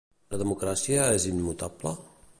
La democràcia és immutable?